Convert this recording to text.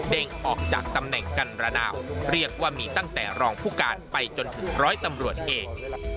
ออกจากตำแหน่งกันระนาวเรียกว่ามีตั้งแต่รองผู้การไปจนถึงร้อยตำรวจเอก